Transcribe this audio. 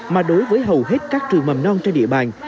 mà đối với hầu hết các trường mầm non trên địa bàn